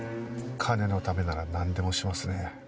金のためなら何でもしますね。